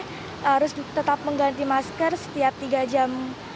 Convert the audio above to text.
harus tetap mengganti masker setiap tiga jam